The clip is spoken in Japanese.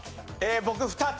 僕２つ。